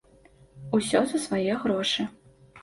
Усё за свае грошы.